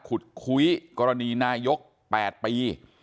ขุดคุยกรณีนายก๘ปี